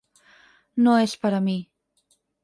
No és per a mi.